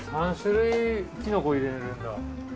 ３種類きのこ入れるんだ。